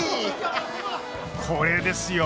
これですよ！